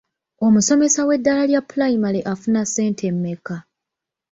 Omusomesa w'eddala lya pulayimale afuna ssente mmeka?